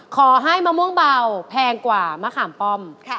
ขอให้มะม่วงเบาแพงกว่ามะขามป้อม